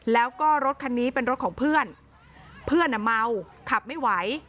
แล้วก็รถคันนี้เป็นรถของเพื่อนเพื่อนอ่ะเมาขับไม่ไหว